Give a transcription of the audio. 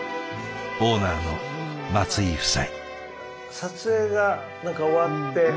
オーナーの松井夫妻。